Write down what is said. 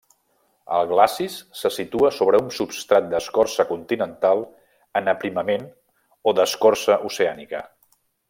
El glacis se situa sobre un substrat d'escorça continental en aprimament o d'escorça oceànica.